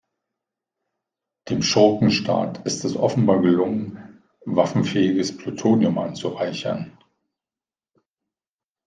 Dem Schurkenstaat ist es offenbar gelungen, waffenfähiges Plutonium anzureichern.